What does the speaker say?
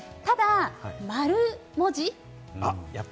ただ、丸文字。